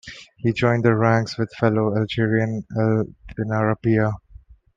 He joined ranks with fellow Algerian, Ali Benarbia.